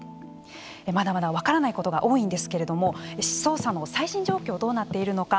まだまだ分からないことが多いんですけれども捜査の最新状況どうなっているのか。